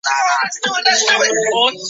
巴尔纳维尔卡尔特雷。